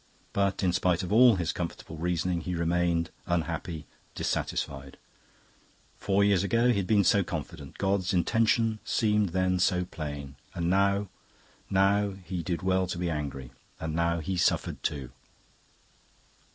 But, in spite of all his comfortable reasoning, he remained unhappy, dissatisfied. Four years ago he had been so confident; God's intention seemed then so plain. And now? Now, he did well to be angry. And now he suffered too.